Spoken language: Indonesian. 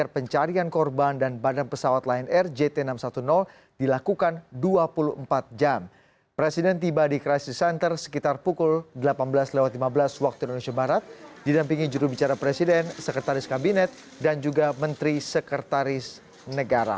presiden sekretaris kabinet dan juga menteri sekretaris negara